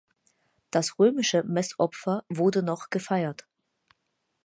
Das römische Messopfer wurde noch gefeiert.